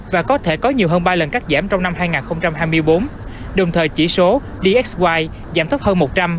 và có thể có nhiều hơn ba lần cắt giảm trong năm hai nghìn hai mươi bốn đồng thời chỉ số dxy giảm thấp hơn một trăm linh